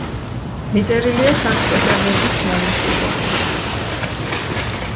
მიწერილია სანქტ-პეტერბურგის სმოლენსკის ეკლესიაზე.